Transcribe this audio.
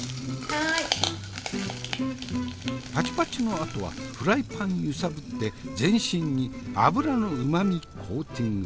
パチパチのあとはフライパン揺さぶって全身に油のうまみコーティング。